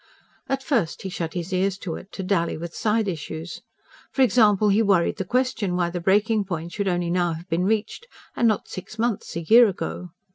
At first he shut his ears to it, to dally with side issues. For example, he worried the question why the breaking point should only now have been reached and not six months, a year ago.